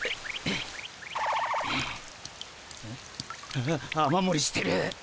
ああっ雨もりしてる。